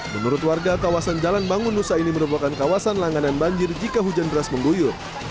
menurut warga kawasan jalan bangun nusa ini merupakan kawasan langganan banjir jika hujan deras mengguyur